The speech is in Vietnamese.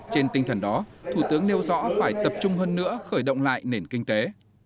trên tinh thần đó thủ tướng nêu rõ phải tập trung hơn nữa khởi động lại nền kinh tế